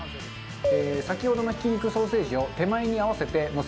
先ほどのひき肉ソーセージを手前に合わせてのせます。